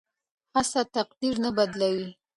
هڅه تقدیر نه بدلوي.